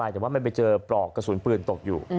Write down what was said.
แต่ว่ามันไปเจอปลอกกระสุนปืนตกอยู่